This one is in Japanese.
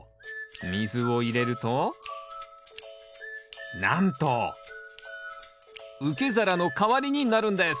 水を入れるとなんと受け皿の代わりになるんです